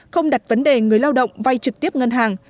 không đặt vấn đề người lao động vay trực tiếp ngân hàng